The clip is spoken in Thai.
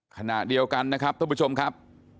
ขณะเดียวกันนะครับท่านผู้ชมครับ